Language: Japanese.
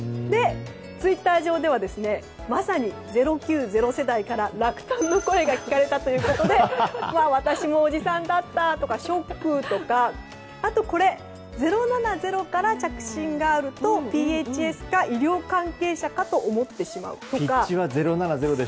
ツイッター上ではまさに０９０世代から落胆の声が聞かれたということで私もおじさんだったとかショックとかあと、０７０から着信があるとＰＨＳか医療関係者かと思ってしまうとか。